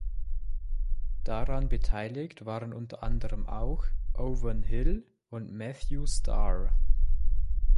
Daran beteiligt waren unter anderem auch Owen Hill und Matthew Starr.